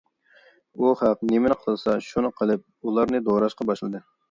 ئۇ خەق نېمىنى قىلسا شۇنى قىلىپ، ئۇلارنى دوراشقا باشلىدى.